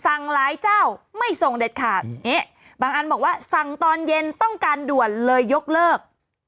สั่งหลายเจ้าไม่ส่งเด็ดขาดบางอันบอกว่าสั่งตอนเย็นต้องการด่วนเลยยกเลิก